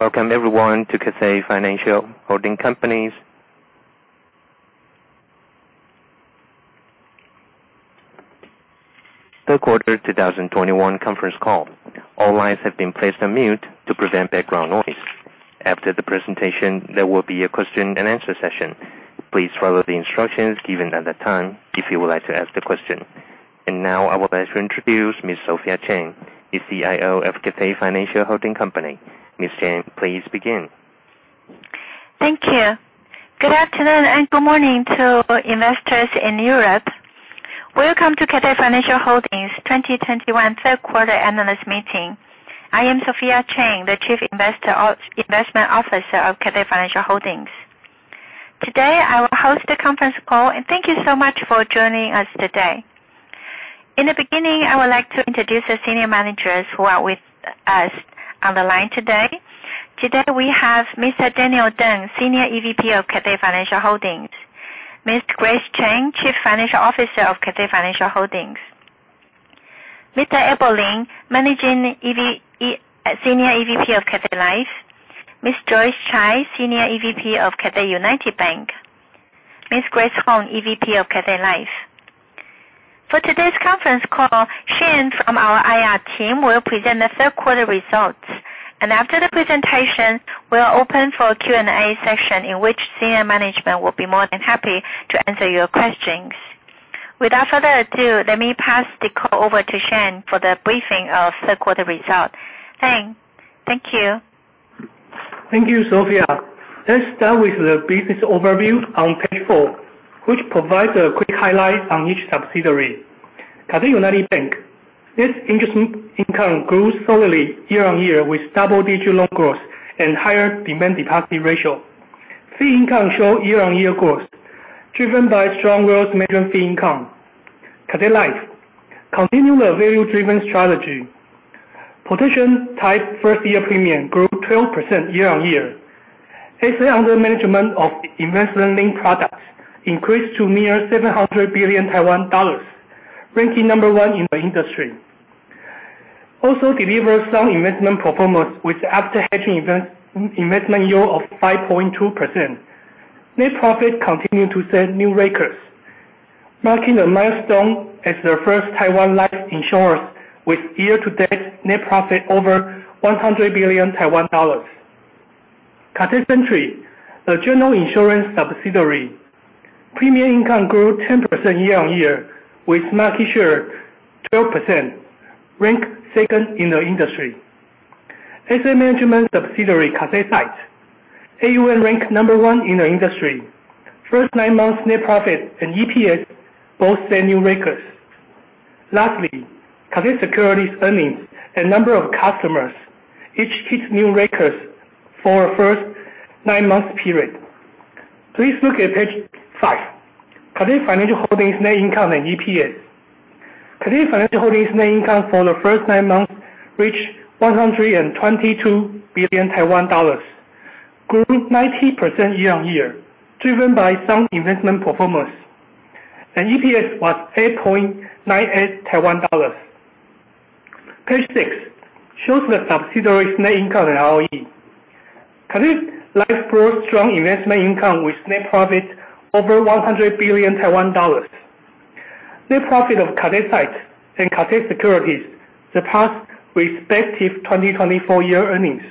Welcome everyone to Cathay Financial Holding Company's third quarter 2021 conference call. All lines have been placed on mute to prevent background noise. After the presentation, there will be a question and answer session. Please follow the instructions given at the time if you would like to ask the question. Now I would like to introduce Ms. Sophia Cheng, the CIO of Cathay Financial Holding Company. Ms. Cheng, please begin. Thank you. Good afternoon and good morning to investors in Europe. Welcome to Cathay Financial Holding's 2021 third quarter analyst meeting. I am Sophia Cheng, the Chief Investment Officer of Cathay Financial Holding. Today, I will host the conference call. Thank you so much for joining us today. In the beginning, I would like to introduce the senior managers who are with us on the line today. Today we have Mr. Daniel Teng, Senior EVP of Cathay Financial Holding, Ms. Grace Chen, Chief Financial Officer of Cathay Financial Holding, Mr. Edward Lin, Managing Senior EVP of Cathay Life, Ms. Joyce Chai, Senior EVP of Cathay United Bank, Ms. Grace Han, EVP of Cathay Life. For today's conference call, Shen from our IR team will present the third quarter results. After the presentation, we'll open for a Q&A session in which senior management will be more than happy to answer your questions. Without further ado, let me pass the call over to Shen for the briefing of third quarter results. Shen, thank you. Thank you, Sophia Cheng. Let's start with the business overview on page four, which provides a quick highlight on each subsidiary. Cathay United Bank. Its interest income grew solidly year-on-year with double-digit loan growth and higher demand deposit ratio. Fee income show year-on-year growth, driven by strong wealth management fee income. Cathay Life continue the value-driven strategy. Protection type First Year Premium grew 12% year-on-year. Assets under management of investment-linked products increased to near 700 billion Taiwan dollars, ranking number 1 in the industry. Also delivered strong investment performance with after hedging investment yield of 5.2%. Net profit continued to set new records, marking a milestone as the first Taiwan life insurance with year-to-date net profit over 100 billion Taiwan dollars. Cathay Century, the general insurance subsidiary. Premium income grew 10% year-on-year, with market share 12%, ranked second in the industry. Asset management subsidiary, Cathay SITE. AUM ranked number one in the industry. First nine months net profit and EPS both set new records. Lastly, Cathay Securities earnings and number of customers, each hit new records for the first nine-month period. Please look at page five, Cathay Financial Holding net income and EPS. Cathay Financial Holding net income for the first nine months reached 122 billion Taiwan dollars, grew 90% year-on-year, driven by strong investment performance, and EPS was 8.98 Taiwan dollars. Page six shows the subsidiary's net income and ROE. Cathay Life shows strong investment income with net profit over 100 billion Taiwan dollars. Net profit of Cathay SITE and Cathay Securities surpassed respective 2024 year earnings.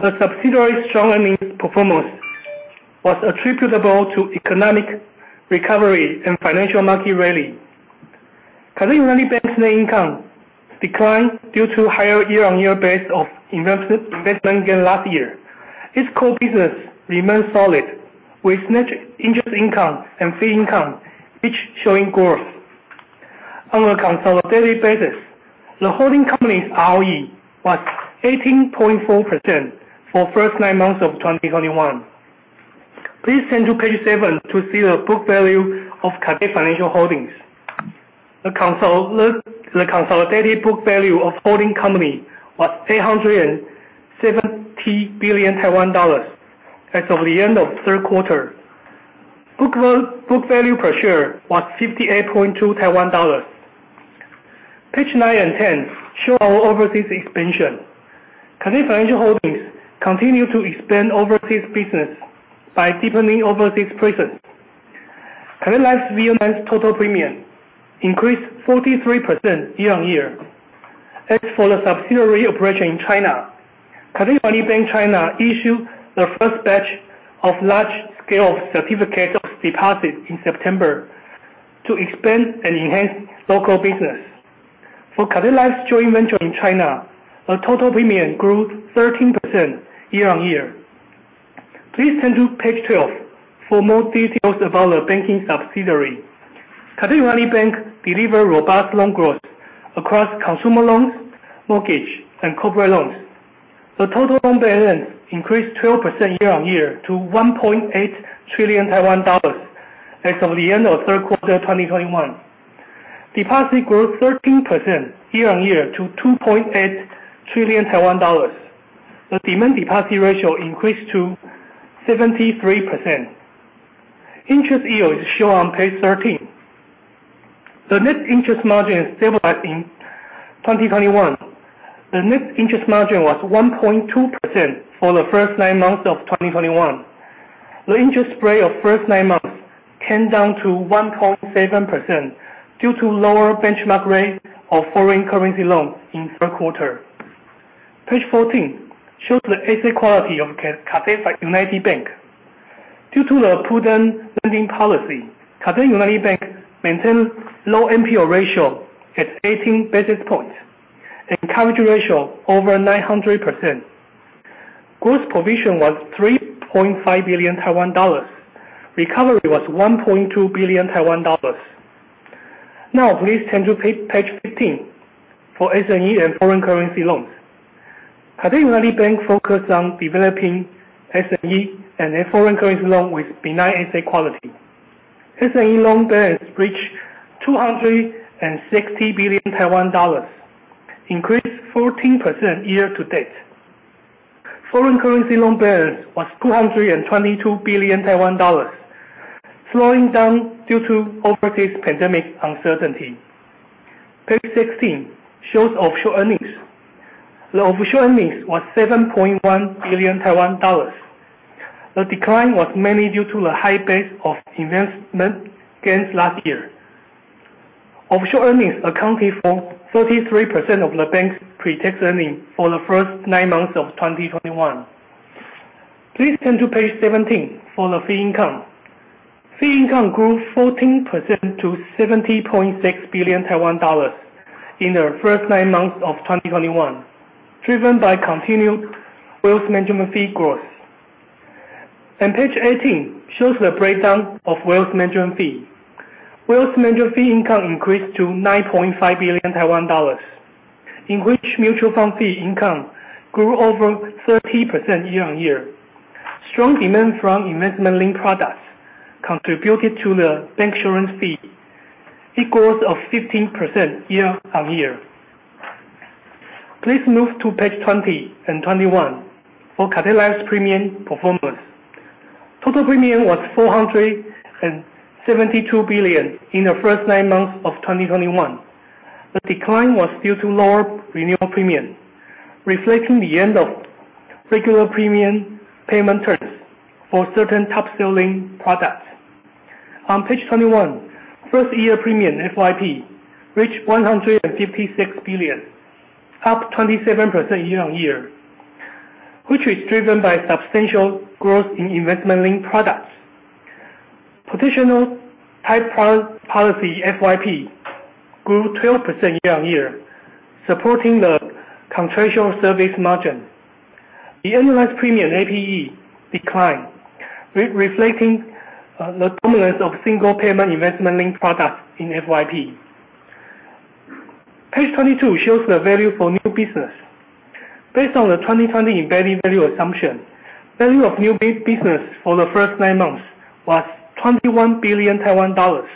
The subsidiary's strong earnings performance was attributable to economic recovery and financial market rally. Cathay United Bank's net income declined due to higher year-on-year base of investment gain last year. Its core business remained solid, with net interest income and fee income each showing growth. On a consolidated basis, the holding company's ROE was 18.4% for first nine months of 2021. Please turn to page seven to see the book value of Cathay Financial Holding. The consolidated book value of holding company was 870 billion Taiwan dollars as of the end of the third quarter. Book value per share was 58.2 Taiwan dollars. Page nine and 10 show our overseas expansion. Cathay Financial Holding continue to expand overseas business by deepening overseas presence. Cathay Life's Vietnam total premium increased 43% year-on-year. As for the subsidiary operation in China, Cathay United Bank China issued the first batch of large-scale certificates of deposit in September to expand and enhance its local business. For Cathay Life's joint venture in China, the total premium grew 13% year-on-year. Please turn to page 12 for more details about the banking subsidiary. Cathay United Bank delivered robust loan growth across consumer loans, mortgage, and corporate loans. The total loan balance increased 12% year-on-year to 1.8 trillion Taiwan dollars as of the end of the third quarter 2021. Deposit grew 13% year-on-year to 2.8 trillion Taiwan dollars. The demand deposit ratio increased to 73%. Interest yield is shown on page 13. The net interest margin stabilized in 2021. The net interest margin was 1.2% for the first nine months of 2021. The interest rate of first nine months came down to 1.7% due to lower benchmark rate of foreign currency loans in the third quarter. Page 14 shows the asset quality of Cathay United Bank. Due to the prudent lending policy, Cathay United Bank maintain low NPL ratio at 18 basis points, and coverage ratio over 900%. Gross provision was 3.5 billion Taiwan dollars. Recovery was 1.2 billion Taiwan dollars. Now please turn to page 15 for SME and foreign currency loans. Cathay United Bank focus on developing SME and their foreign currency loan with benign asset quality. SME loan balance reached 260 billion Taiwan dollars, increased 14% year-to-date. Foreign currency loan balance was 222 billion Taiwan dollars, slowing down due to overseas pandemic uncertainty. Page 16 shows offshore earnings. The offshore earnings was 7.1 billion Taiwan dollars. The decline was mainly due to the high base of investment gains last year. Offshore earnings accounted for 33% of the bank's pre-tax earning for the first nine months of 2021. Please turn to page 17 for the fee income. Fee income grew 14% to 70.6 billion Taiwan dollars in the first nine months of 2021, driven by continued wealth management fee growth. Page 18 shows the breakdown of wealth management fee. Wealth management fee income increased to 9.5 billion Taiwan dollars, in which mutual fund fee income grew over 30% year-on-year. Strong demand from investment-linked products contributed to the bancassurance fee, its growth of 15% year-on-year. Please move to page 20 and 21 for Cathay Life's premium performance. Total premium was 472 billion in the first nine months of 2021. The decline was due to lower renewal premium, reflecting the end of regular premium payment terms for certain type selling products. On page 21, first year premium, FYP, reached 156 billion, up 27% year-on-year, which was driven by substantial growth in investment-linked products. Traditional type policy FYP grew 12% year-on-year, supporting the contractual service margin. The annualized premium, APE, declined, reflecting the dominance of single-payment investment-linked products in FYP. Page 22 shows the value for new business. Based on the 2020 embedded value assumption, value of new business for the first nine months was 21 billion Taiwan dollars.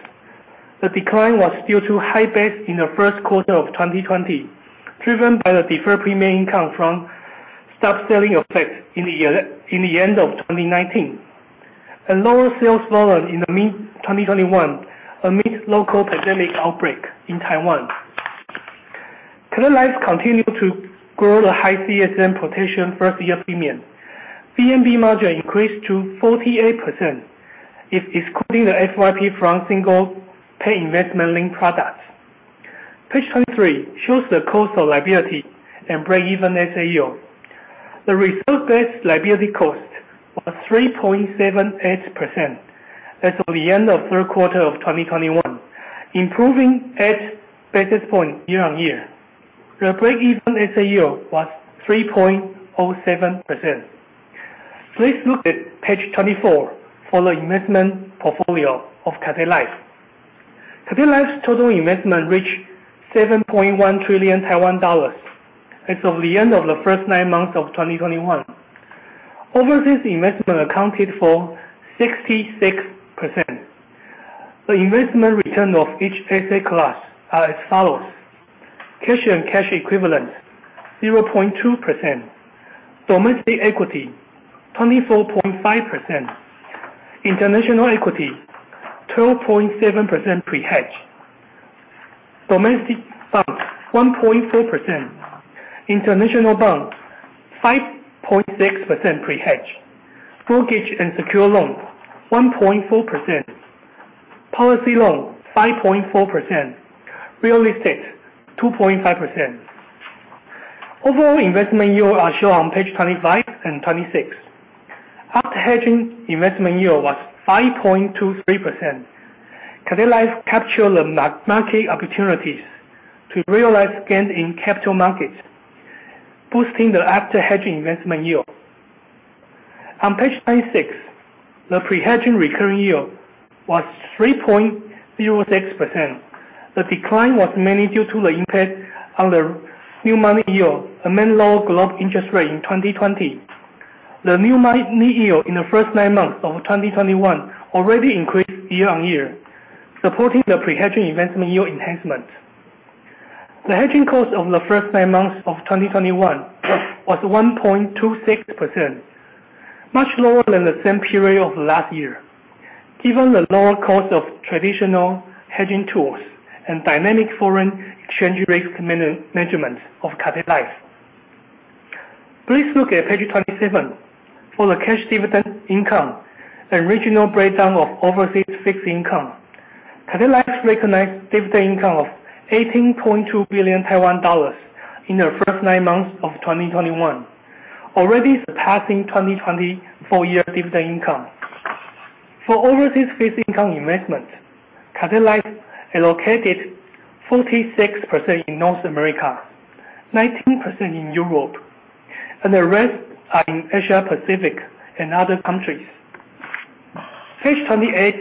The decline was due to high base in the first quarter of 2020, driven by the deferred premium income from stop selling effect in the end of 2019 and lower sales volume in mid-2021 amidst local pandemic outbreak in Taiwan. Cathay Life continued to grow the high CSM protection first year premium. VNB margin increased to 48%, if excluding the FYP from single-pay investment-linked products. Page 23 shows the cost of liability and break-even SAO. The reserve-based liability cost was 3.78% as of the end of the third quarter of 2021, improving eight basis points year-on-year. The break-even SAO was 3.07%. Please look at page 24 for the investment portfolio of Cathay Life. Cathay Life's total investment reached 7.1 trillion Taiwan dollars as of the end of the first nine months of 2021. Overseas investment accounted for 66%. The investment return of each asset class are as follows: cash and cash equivalents, 0.2%; domestic equity, 24.5%; international equity, 12.7% pre-hedge; domestic bonds, 1.4%; international bonds, 5.6% pre-hedge; mortgage and secured loans, 1.4%; policy loans, 5.4%; real estate, 2.5%. Overall investment yield are shown on page 25 and 26. After-hedging investment yield was 5.23%. Cathay Life captured the market opportunities to realize gains in capital markets, boosting the after-hedging investment yield. On page 26, the pre-hedging recurring yield was 3.06%. The decline was mainly due to the impact on the new money yield amid lower global interest rates in 2020. The new money yield in the first nine months of 2021 already increased year-on-year, supporting the pre-hedging investment yield enhancement. The hedging cost of the first nine months of 2021 was 1.26%, much lower than the same period of last year, given the lower cost of traditional hedging tools and dynamic foreign exchange rate management of Cathay Life. Please look at page 27 for the cash dividend income and regional breakdown of overseas fixed income. Cathay Life recognized dividend income of 18.2 billion Taiwan dollars in the first nine months of 2021, already surpassing 2020 full-year dividend income. For overseas fixed income investment, Cathay Life allocated 46% in North America, 19% in Europe, and the rest are in Asia Pacific and other countries. Page 28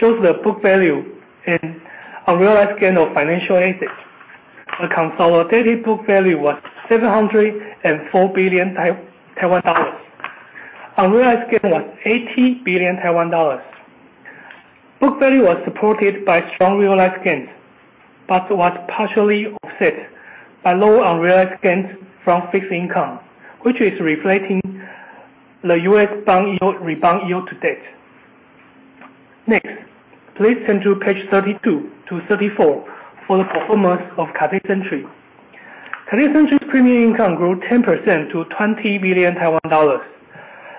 shows the book value and unrealized gain of financial assets. The consolidated book value was 704 billion Taiwan dollars. Unrealized gain was 80 billion Taiwan dollars. Book value was supported by strong realized gains, but was partially offset by lower unrealized gains from fixed income, which is reflecting the U.S. bond rebound yield to date. Next, please turn to page 32 to 34 for the performance of Cathay Century. Cathay Century's premium income grew 10% to 20 billion Taiwan dollars.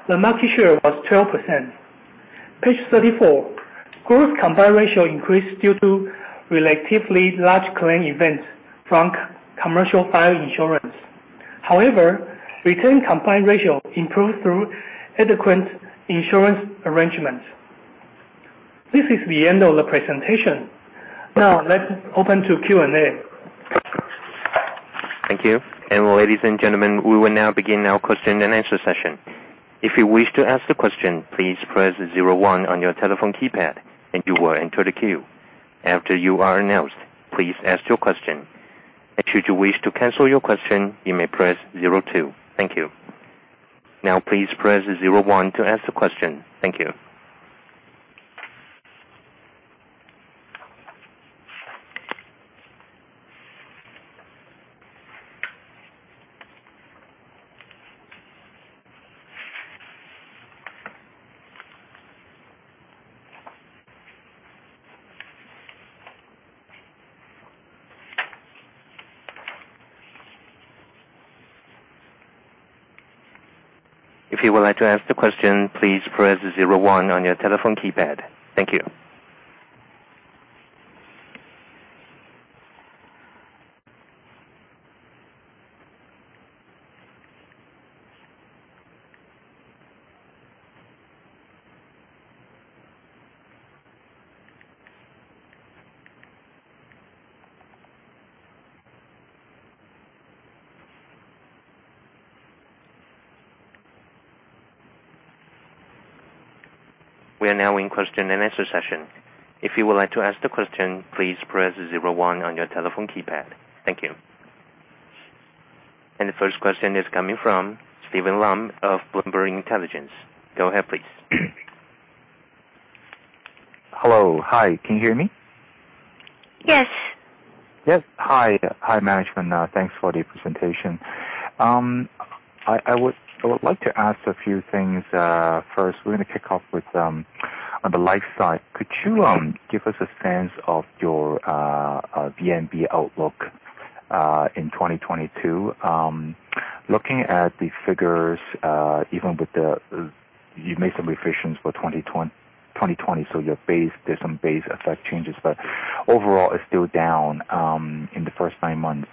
The market share was 12%. Page 34. Gross combined ratio increased due to relatively large claim events from commercial fire insurance. Retained combined ratio improved through adequate insurance arrangements. This is the end of the presentation. Let's open to Q&A. Thank you. Ladies and gentlemen, we will now begin our question-and-answer session. If you wish to ask a question, please press 01 on your telephone keypad and you will enter the queue. After you are announced, please ask your question. Should you wish to cancel your question, you may press 02. Thank you. Please press 01 to ask a question. Thank you. If you would like to ask the question, please press 01 on your telephone keypad. Thank you. We are now in question-and-answer session. If you would like to ask the question, please press 01 on your telephone keypad. Thank you. The first question is coming from Steven Lam of Bloomberg Intelligence. Go ahead, please. Hello. Hi, can you hear me? Yes. Yes. Hi, management. Thanks for the presentation. I would like to ask a few things. First, we're going to kick off with on the life side. Could you give us a sense of your VNB outlook in 2022? Looking at the figures, even with the, you made some revisions for 2020, there's some base effect changes, but overall, it's still down in the first nine months.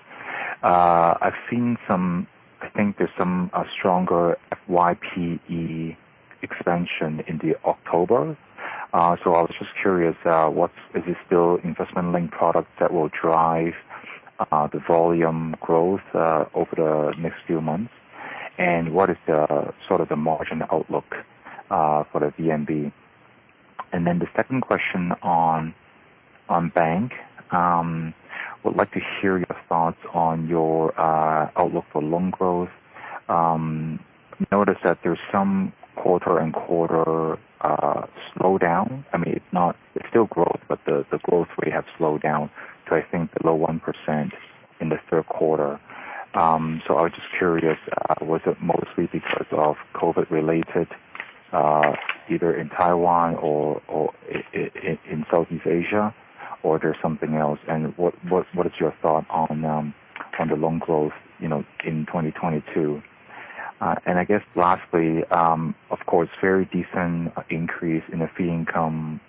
I think there's some stronger FYP expansion in October. I was just curious, is it still investment-linked products that will drive the volume growth over the next few months? What is the sort of the margin outlook for the VNB? The second question on bank. Would like to hear your thoughts on your outlook for loan growth. Notice that there's some quarter and quarter slowdown. I mean, it's still growth. The growth rate has slowed down to, I think, below 1% in the third quarter. I was just curious, was it mostly because of COVID-related either in Taiwan or in Southeast Asia, or there's something else? What is your thought on the loan growth in 2022? I guess lastly, of course, very decent increase in the fee income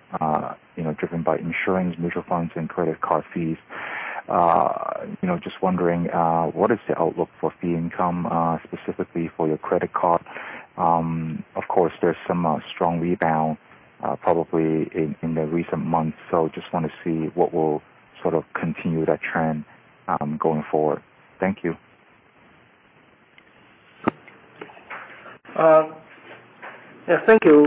driven by insurance, mutual funds, and credit card fees. Just wondering, what is the outlook for fee income, specifically for your credit card? There's some strong rebound probably in the recent months, so just want to see what will sort of continue that trend going forward. Thank you. Yeah, thank you.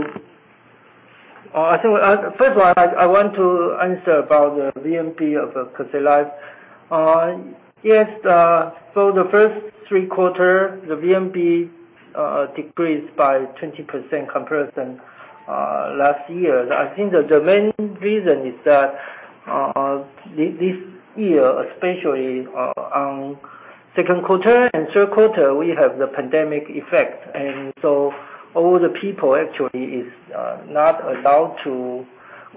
First of all, I want to answer about the VNB of Cathay Life. Yes, for the first three quarter, the VNB decreased by 20% comparison last year. I think the main reason is that this year, especially on second quarter and third quarter, we have the pandemic effect. All the people actually are not allowed to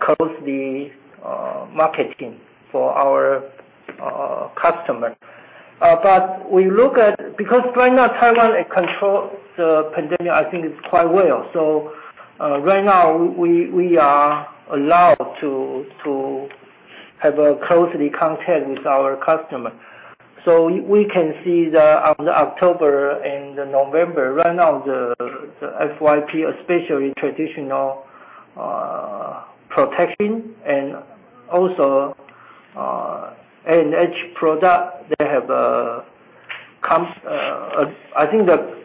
close the marketing for our customer. Because right now, Taiwan controls the pandemic, I think, quite well. Right now, we are allowed to have a close contact with our customer. We can see that on the October and November, right now, the FYP, especially traditional protection and also A&H product, they have I think the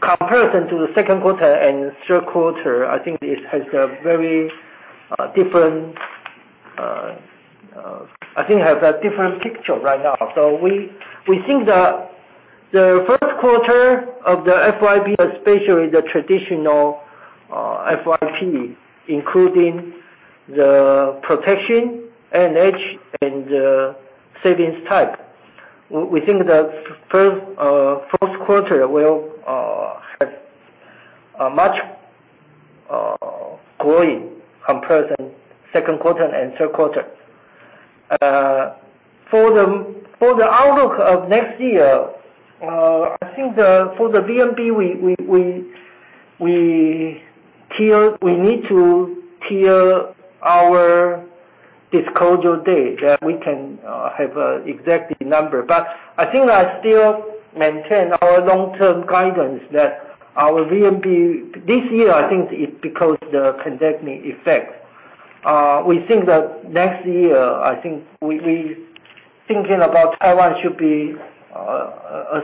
comparison to the second quarter and third quarter, I think it has a very different picture right now. We think that the first quarter of the FYP, especially the traditional FYP, including the protection, A&H, and the savings type, we think the first quarter will have much growing comparison, second quarter and third quarter. For the outlook of next year, I think for the VNB, we need to clear our disclosure date, that we can have an exact number. I think I still maintain our long-term guidance that our VNB This year, I think it's because of the pandemic effect. We think that next year, I think we're thinking about Taiwan should be as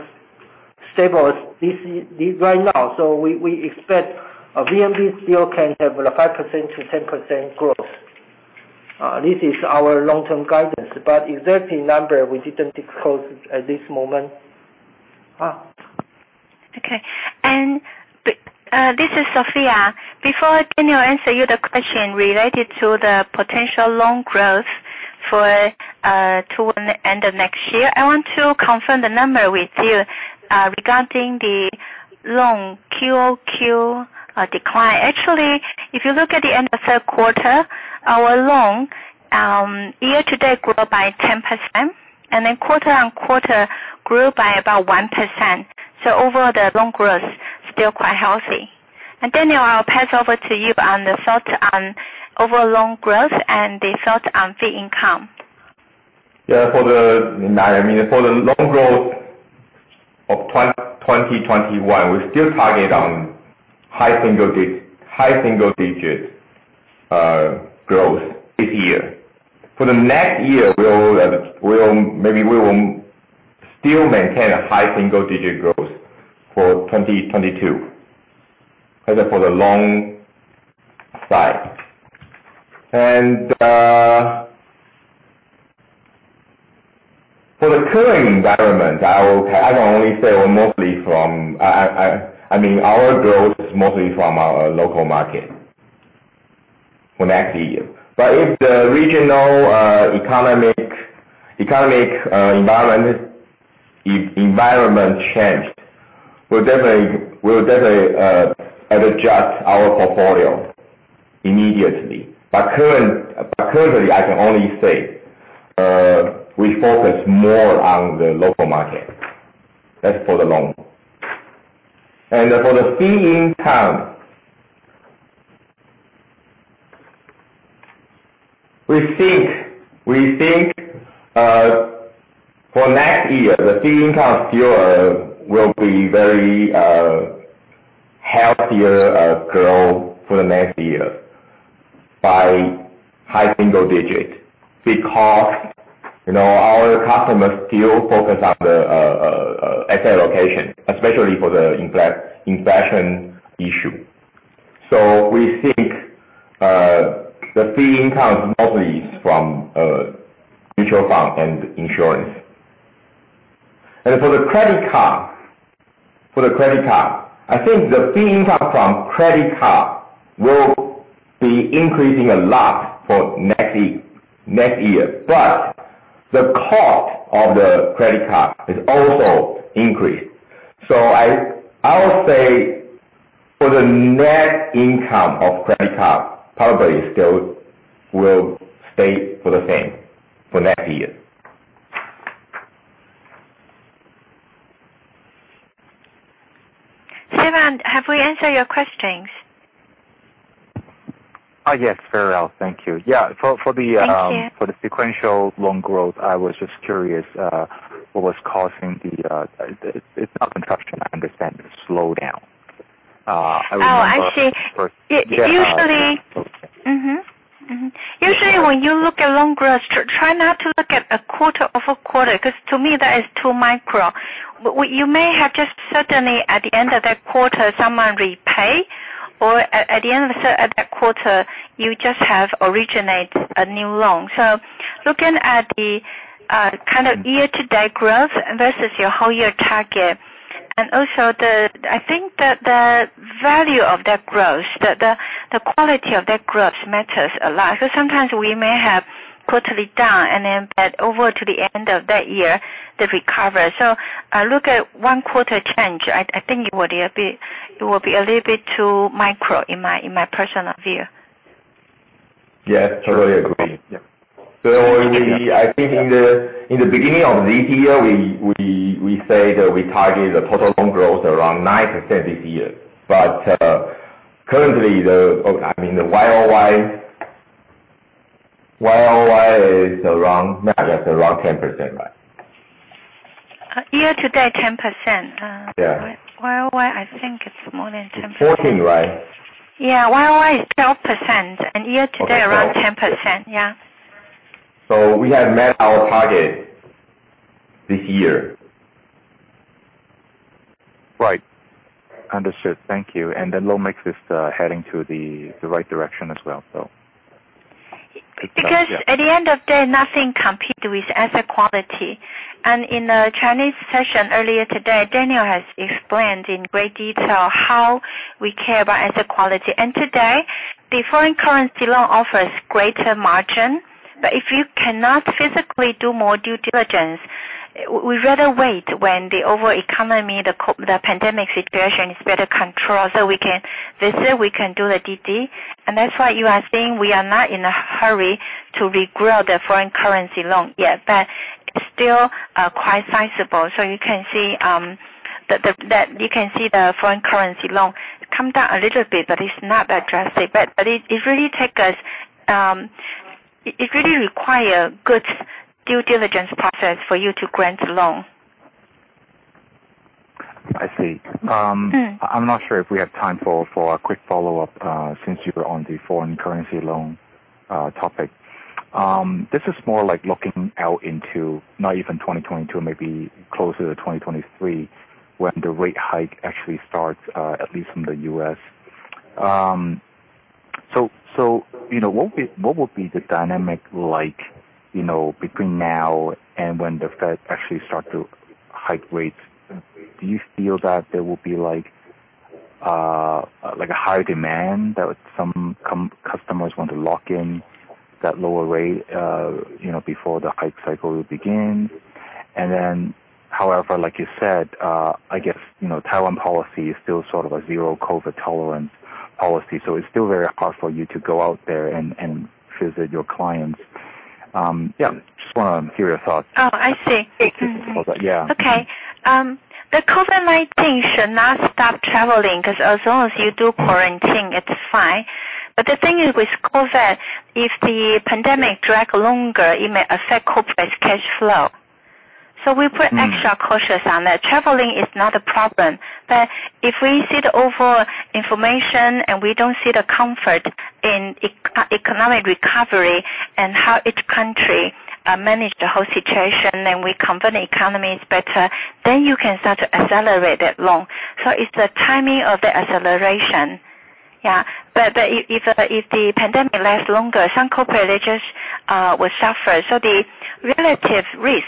stable as right now. We expect VNB still can have a 5%-10% growth. This is our long-term guidance. Exact number, we didn't disclose at this moment. This is Sophia. Before Daniel answers you the question related to the potential loan growth toward the end of next year, I want to confirm the number with you regarding the loan quarter-over-quarter decline. Actually, if you look at the end of third quarter, our loan year-to-date grew by 10%, and then quarter-over-quarter grew by about 1%. Overall, the loan growth, still quite healthy. Daniel, I'll pass over to you on the thought on overall loan growth and the thought on fee income. Yeah. For the loan growth of 2021, we still target on high single-digit growth this year. For the next year, maybe we will still maintain a high single-digit growth for 2022. That's for the loan side. For the current environment, I can only say our growth is mostly from our local market for next year. If the regional economic environment changes, we'll definitely adjust our portfolio immediately. Currently, I can only say we focus more on the local market. That's for the loan. For the fee income, we think for next year, the fee income still will be very healthier growth for the next year by high single-digit. Because our customers still focus on the asset allocation, especially for the inflation issue. We think the fee income mostly is from mutual fund and insurance. For the credit card, I think the fee income from credit card will be increasing a lot for next year. The cost of the credit card is also increased. I would say for the net income of credit card, probably still will stay the same for next year. Steven, have we answered your questions? Yes, very well. Thank you. Yeah. Thank you. For the sequential loan growth, I was just curious what was causing the It's not contraction, I understand, but slowdown. Oh, I see. Yeah. Usually when you look at loan growth, try not to look at a quarter-over-quarter, because to me, that is too micro. You may have just certainly, at the end of that quarter, someone repay. At the end of that quarter, you just have originate a new loan. Looking at the kind of year-to-date growth versus your whole year target, also, I think that the value of that growth, the quality of that growth matters a lot. Sometimes we may have quarterly down and then over to the end of that year, the recovery. Look at one quarter change, I think it will be a little bit too micro in my personal view. Yes, totally agree. Yeah. I think in the beginning of this year, we say that we target the total loan growth around 9% this year. Currently, the YoY is around, maybe it's around 10%, right? Year-to-date 10%. Yeah. YoY, I think it's more than 10%. 14, right? Yeah. YoY is 12%. Year-to-date around 10%. Yeah. We have met our target this year. Right. Understood. Thank you. The loan mix is heading to the right direction as well. At the end of day, nothing competes with asset quality. In the Chinese session earlier today, Daniel has explained in great detail how we care about asset quality. Today, the foreign currency loan offers greater margin. If you cannot physically do more due diligence, we'd rather wait when the overall economy, the pandemic situation is better controlled so we can visit, we can do the DD. That's why you are seeing we are not in a hurry to regrow the foreign currency loan yet, it's still quite sizable. You can see the foreign currency loan come down a little bit, it's not that drastic. It really requires good due diligence process for you to grant a loan. I see. I'm not sure if we have time for a quick follow-up, since you were on the foreign currency loan topic. This is more like looking out into not even 2022, maybe closer to 2023, when the rate hike actually starts, at least in the U.S. What would be the dynamic like between now and when the Fed actually starts to hike rates? Do you feel that there will be a higher demand that some customers want to lock in that lower rate before the hike cycle will begin? Then, however, like you said, I guess Taiwan policy is still sort of a zero COVID tolerance policy. It's still very hard for you to go out there and visit your clients. Yeah. Just want to hear your thoughts. Oh, I see. Yeah. The COVID-19 should not stop traveling, because as long as you do quarantine, it's fine. The thing is with COVID, if the pandemic drag longer, it may affect corporate cash flow. We put extra cautious on that. Traveling is not a problem. If we see the overall information and we don't see the comfort in economic recovery and how each country manage the whole situation, then we confirm the economy is better, then you can start to accelerate that loan. It's the timing of the acceleration. Yeah. If the pandemic last longer, some corporate, they just will suffer. The relative risk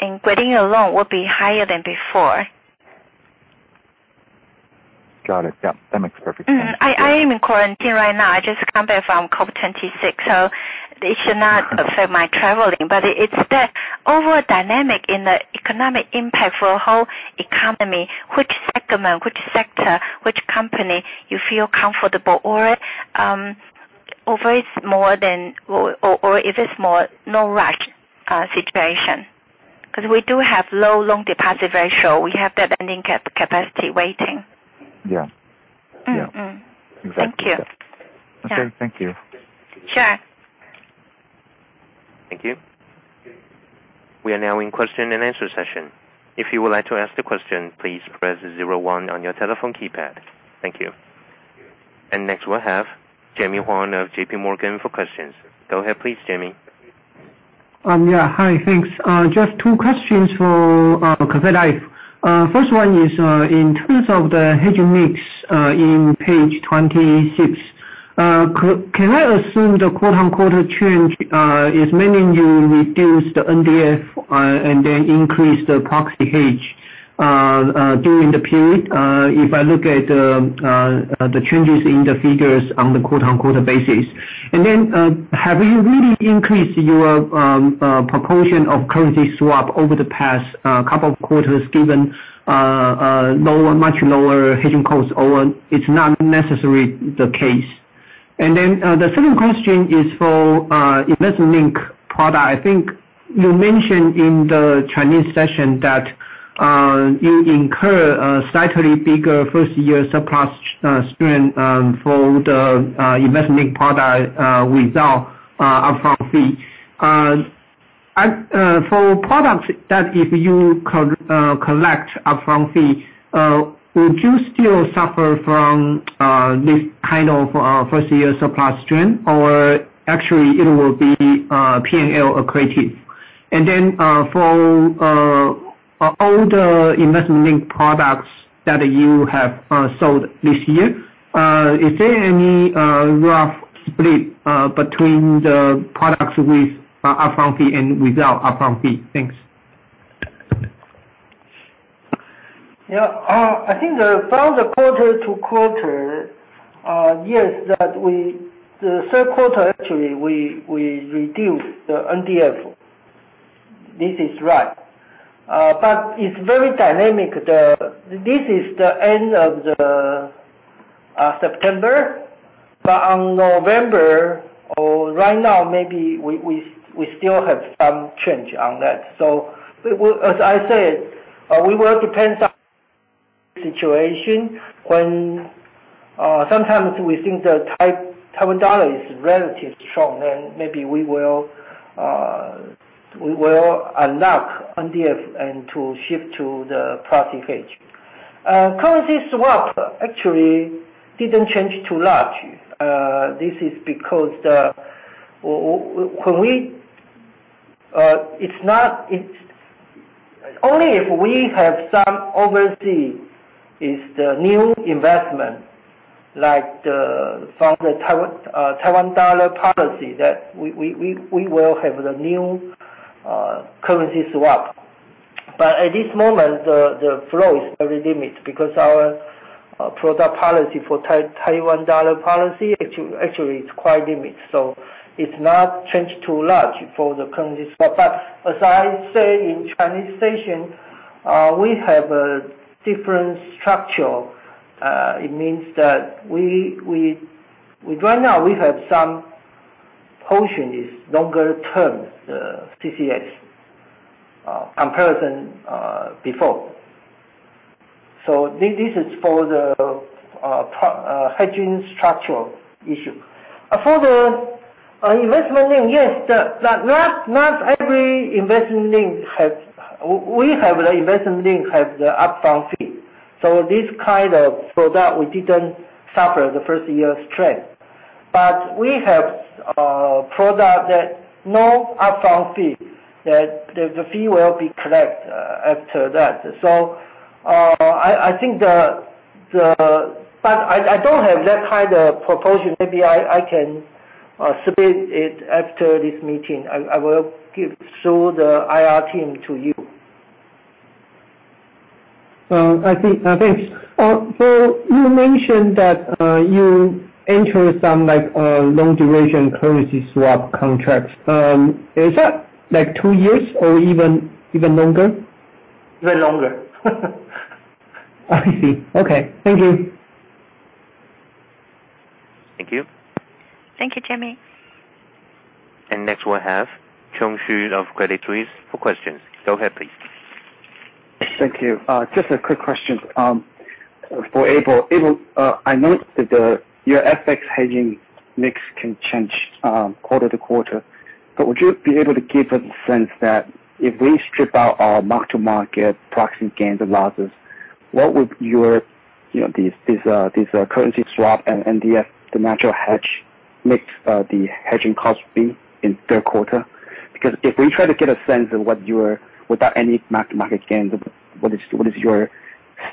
in getting a loan will be higher than before. Got it. Yeah. That makes perfect sense. I am in quarantine right now. I just come back from COP26, so it should not affect my traveling. It's the overall dynamic in the economic impact for a whole economy, which segment, which sector, which company you feel comfortable or if it's more no rush situation. We do have low loan deposit ratio, we have that lending capacity waiting. Yeah. Exactly. Thank you. Okay, thank you. Sure. Thank you. We are now in question and answer session. If you would like to ask the question, please press zero one on your telephone keypad. Thank you. Next we'll have Jimmy Huang of JPMorgan for questions. Go ahead please, Jimmy. Yeah. Hi, thanks. Just two questions for Cathay Life. First one is, in terms of the hedge mix in page 26, can I assume the quote-unquote change is meaning you reduce the NDF then increase the proxy hedge during the period, if I look at the changes in the figures on the quote-unquote basis? Then, have you really increased your proportion of currency swap over the past couple of quarters given much lower hedging costs, or it's not necessary the case? Then, the second question is for investment-linked product. I think you mentioned in the Chinese session that you incur a slightly bigger first year surplus strain for the investment-linked product without upfront fee. For products that if you collect upfront fee, would you still suffer from this kind of first year surplus strain, or actually it will be P&L accretive? For all the investment-linked products that you have sold this year, is there any rough split between the products with upfront fee and without upfront fee? Thanks. I think from the quarter to quarter, yes, the third quarter, actually, we reduced the NDF. This is right. It's very dynamic. This is the end of September, but on November or right now, maybe we still have some change on that. As I said, we work depends on situation when sometimes we think the Taiwan dollar is relatively strong, then maybe we will unlock NDF and to shift to the proxy hedge. Currency swap actually didn't change too much. This is because only if we have some overseas, is the new investment like from the Taiwan dollar policy that we will have the new currency swap. At this moment, the flow is very limited because our product policy for Taiwan dollar policy actually is quite limited, so it's not changed too much for the currency swap. As I say in Chinese session, we have a different structure. It means that right now we have some portion is longer term, the CCS, comparison before. This is for the hedging structural issue. For the investment link, yes, we have the investment link have the upfront fee. This kind of product, we didn't suffer the first year's trend. We have a product that no upfront fee, that the fee will be collected after that. I don't have that kind of proportion. Maybe I can submit it after this meeting. I will give through the IR team to you. Thanks. You mentioned that you enter some long duration currency swap contracts. Is that two years or even longer? Even longer. I see. Okay. Thank you. Thank you. Thank you, Jimmy. Next we have Chung Hsu of Credit Suisse for questions. Go ahead, please. Thank you. Just a quick question for Abel. Abel, I know that your FX hedging mix can change quarter to quarter, would you be able to give a sense that if we strip out our mark-to-market proxy gains and losses, what would this currency swap and NDF, the natural hedge mix, the hedging cost be in third quarter? If we try to get a sense of, without any mark-to-market gains, what is your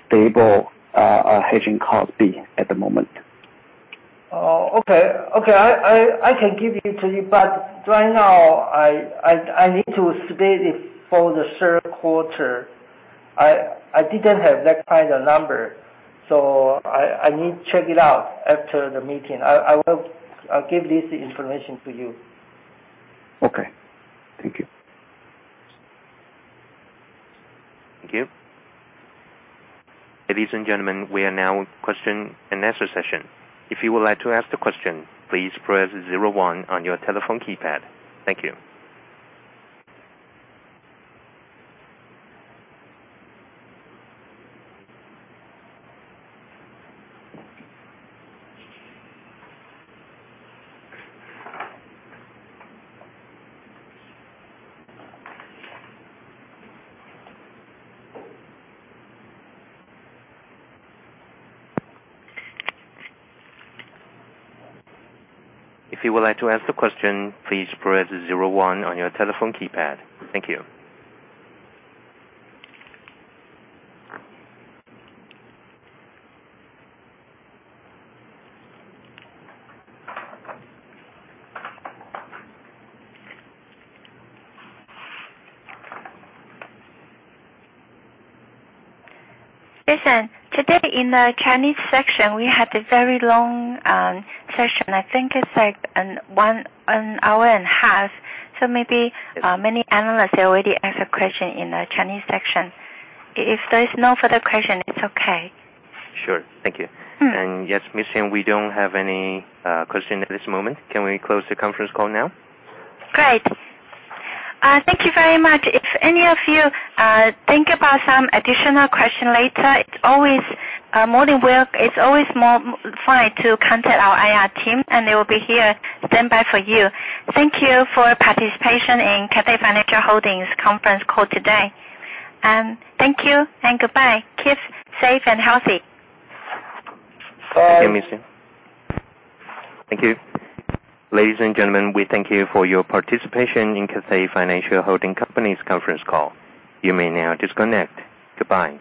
stable hedging cost be at the moment? Okay. I can give it to you, right now I need to submit it for the third quarter. I didn't have that kind of number, I need to check it out after the meeting. I'll give this information to you. Okay. Thank you. Thank you. Ladies and gentlemen, we are now in question and answer session. If you would like to ask the question, please press zero one on your telephone keypad. Thank you. If you would like to ask the question, please press zero one on your telephone keypad. Thank you. Jason, today in the Chinese section, we had a very long session. I think it's like an hour and a half. Maybe, many analysts already asked a question in the Chinese section. If there is no further question, it's okay. Sure. Thank you. Yes, Ms. Chiang, we don't have any questions at this moment. Can we close the conference call now? Great. Thank you very much. If any of you think about some additional question later, it is always more fine to contact our IR team, and they will be here stand by for you. Thank you for your participation in Cathay Financial Holding conference call today. Thank you and goodbye. Keep safe and healthy. Thank you, Ms. Chiang. Thank you. Ladies and gentlemen, we thank you for your participation in Cathay Financial Holding Company's conference call. You may now disconnect. Goodbye